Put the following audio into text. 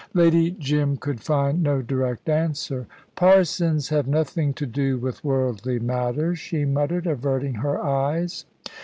Lady Jim could find no direct answer. "Parsons have nothing to do with worldly matters," she muttered, averting her eyes.